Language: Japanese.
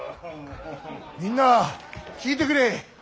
みんな聞いてくれ。